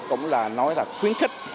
cũng là nói là khuyến khích